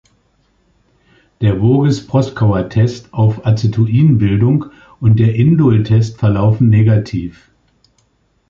Der Voges-Proskauer-Test auf Acetoin-Bildung und der Indol-Test verlaufen negativ.